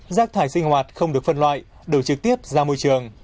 rác thải sinh hoạt không được phân loại đổ trực tiếp ra môi trường